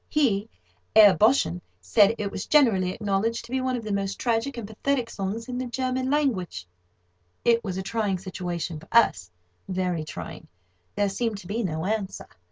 He (Herr Boschen) said it was generally acknowledged to be one of the most tragic and pathetic songs in the German language. It was a trying situation for us—very trying. There seemed to be no answer.